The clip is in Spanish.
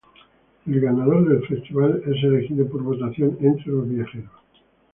El ganador del festival es elegido por votación entre los viajeros.